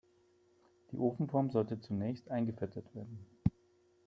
Die Ofenform sollte zunächst eingefettet werden.